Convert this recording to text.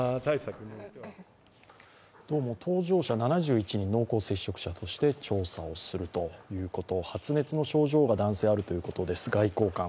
どうも搭乗者７１人が濃厚接触者として調査をするということ、男性は発熱の症状があるということです、外交官。